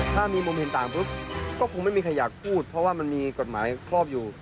ถ้ามีมุมเห็นต่างปุ๊บก็คงไม่มีใครอยากพูดเพราะว่ามันมีกฎหมายครอบอยู่